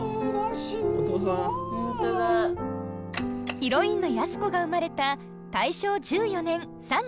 ヒロインの安子が生まれた大正１４年３月２２日。